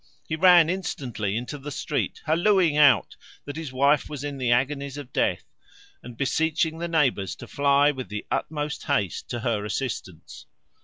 He ran instantly into the street, hallowing out that his wife was in the agonies of death, and beseeching the neighbours to fly with the utmost haste to her assistance.